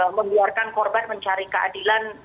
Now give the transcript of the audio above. kenapa mengeluarkan korban mencari keadilan